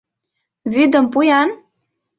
— Вӱдым пу-ян!»